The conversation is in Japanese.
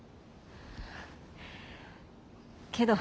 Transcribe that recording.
けど。